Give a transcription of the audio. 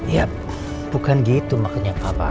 ya bukan gitu makanya papa